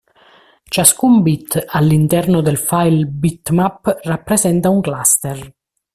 Ciascun bit all'interno del file $BitMap rappresenta un cluster.